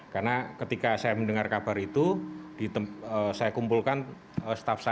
karena ketika saya mendengar kabar itu saya kumpulkan staff saya